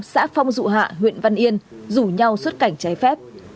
xã phong dụ hạ huyện văn yên rủ nhau xuất cảnh trái phép